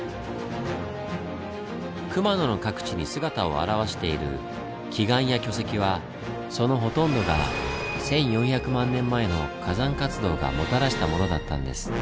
熊野の各地に姿を現している奇岩や巨石はそのほとんどが１４００万年前の火山活動がもたらしたものだったんです。